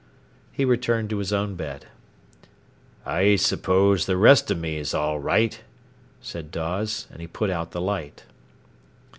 He returned to his own bed. "I suppose the rest of me's all right," said Dawes, and he put out the light.